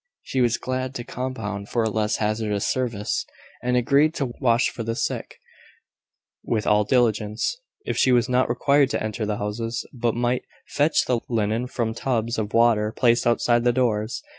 She was glad to compound for a less hazardous service, and agreed to wash for the sick with all diligence, if she was not required to enter the houses, but might fetch the linen from tubs of water placed outside the doors.